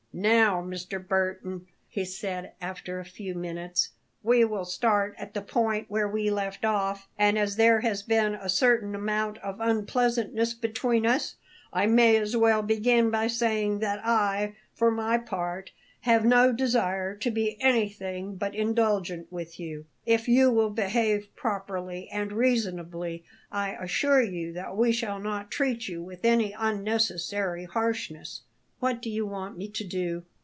"Now, Mr. Burton," he said after a few minutes; "we will start at the point where we left off; and as there has been a certain amount of unpleasantness between us, I may as well begin by saying that I, for my part, have no desire to be anything but indulgent with you. If you will behave properly and reasonably, I assure you that we shall not treat you with any unnecessary harshness." "What do you want me to do?"